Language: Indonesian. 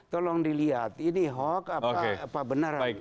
tolong dilihat ini hoak apa benaran